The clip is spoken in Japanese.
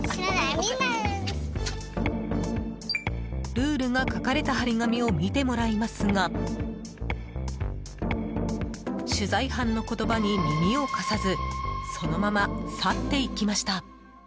ルールが書かれた貼り紙を見てもらいますが取材班の言葉に耳を貸さずそのまま去っていきました。